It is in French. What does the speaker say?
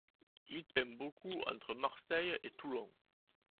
Il peint beaucoup entre Marseille et Toulon.